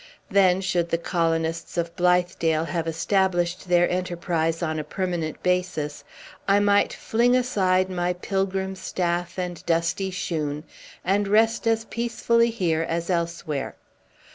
Then, should the colonists of Blithedale have established their enterprise on a permanent basis, I might fling aside my pilgrim staff and dusty shoon, and rest as peacefully here as elsewhere.